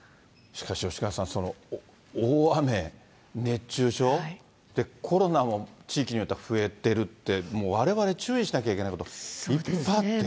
しかし吉川さん、大雨、熱中症、コロナも地域によっては増えてるって、もうわれわれ注意しなきゃいけないこと、いっぱいあって。